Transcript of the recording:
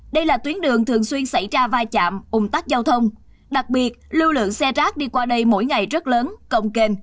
đây là tuyến đường thường xuyên xảy ra vai chạm ủng tắc giao thông đặc biệt lưu lượng xe rác đi qua đây mỗi ngày rất lớn cộng kênh